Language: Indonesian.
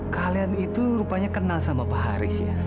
kalian itu rupanya kenal sama pak haris ya